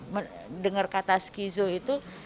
mendengar kata skizo itu